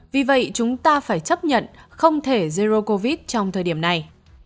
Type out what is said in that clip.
vì vậy chúng ta phải chấp nhận không thể jero covid trong thời điểm này